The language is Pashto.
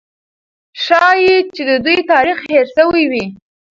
ښایي چې د دوی تاریخ هېر سوی وي.